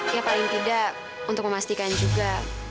ya paling tidak untuk memastikan juga